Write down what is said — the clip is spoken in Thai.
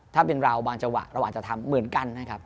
ถ้าเป็นเราบางจังหวะเราอาจจะทำเหมือนกันนะครับ